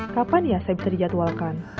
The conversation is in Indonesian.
kapan ya saya bisa dijadwalkan